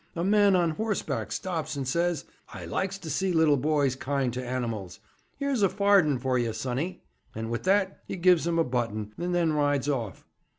A man on horseback stops and says: 'I likes to see little boys kind to animals. Here's a farden for ye, sonny.'" And with that he gives him a button, and then rides off.